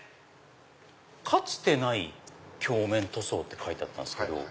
かつてない鏡面塗装って書いてあったんですけど。